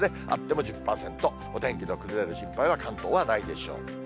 あっても１０％、お天気の崩れる心配は関東はないでしょう。